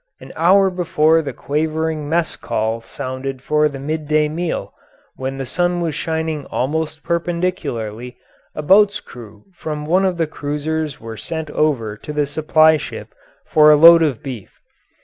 An hour before the quavering mess call sounded for the midday meal, when the sun was shining almost perpendicularly, a boat's crew from one of the cruisers were sent over to the supply ship for a load of beef.